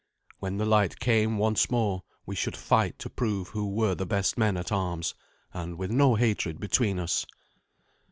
When the light came once more we should fight to prove who were the best men at arms, and with no hatred between us.